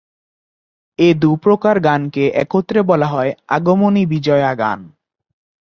এ দু প্রকার গানকে একত্রে বলা হয় আগমনী-বিজয়া গান।